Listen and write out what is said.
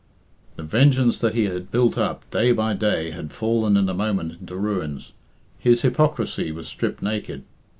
The vengeance that he had built up day by day had fallen in a moment into ruins. His hypocrisy was stripped naked.